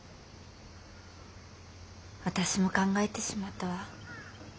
私も考えてしまったわ。